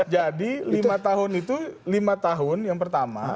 jadi lima tahun itu lima tahun yang pertama